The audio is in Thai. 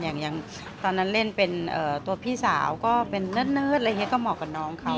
อย่างตอนนั้นเล่นเป็นตัวพี่สาวก็เป็นเนิดอะไรอย่างนี้ก็เหมาะกับน้องเขา